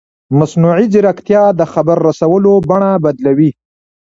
مصنوعي ځیرکتیا د خبر رسولو بڼه بدلوي.